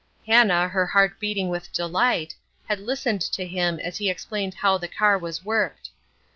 Hannah, her heart beating with delight, had listened to him as he explained how the car was worked.